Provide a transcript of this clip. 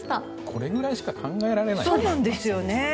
これぐらいしか考えられないんですよね。